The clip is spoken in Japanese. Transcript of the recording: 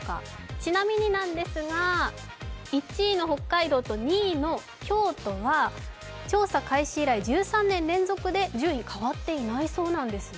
ちなみに１位の北海道と２位の京都は調査開始以来、１３年連続で順位変わっていないそうなんです。